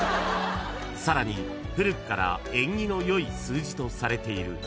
［さらに古くから縁起の良い数字とされている］